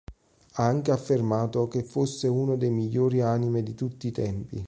Ha anche affermato che fosse uno dei migliori anime di tutti i tempi.